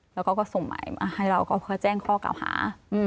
เราก็ส่งหมายให้เราก็แจ้งข้อกาวหา